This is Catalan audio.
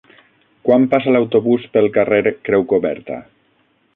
Quan passa l'autobús pel carrer Creu Coberta?